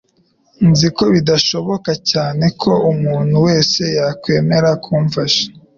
Nzi ko bidashoboka cyane ko umuntu wese yakwemera kumfasha.